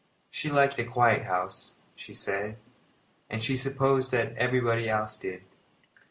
She liked a quiet house, she said, and she supposed that everybody else did.